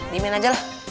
diamin aja lah